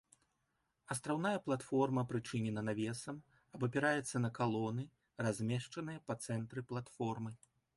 Астраўная платформа прычынена навесам, абапіраецца на калоны, размешчаныя па цэнтры платформы.